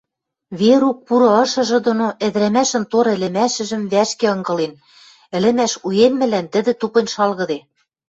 Верук пуры ышыжы доно ӹдӹрӓмӓшӹн тор ӹлӹмӓшӹжӹм вӓшке ынгылен, ӹлӹмӓш уэммӹлӓн тӹдӹ тупынь шалгыде.